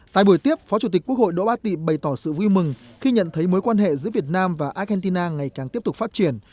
tại buổi tiếp phó chủ tịch quốc hội đỗ bá tị bày tỏ sự vui mừng khi nhận thấy mối quan hệ giữa việt nam và argentina ngày càng tiếp tục phát triển